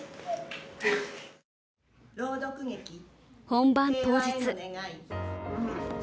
本番当日。